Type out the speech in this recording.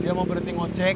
dia mau berhenti ngosek